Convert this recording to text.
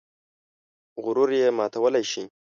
غرور یې ماتولی شي.